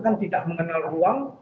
kan tidak mengenal ruang